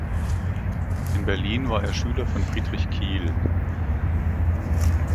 In Berlin war er Schüler von Friedrich Kiel.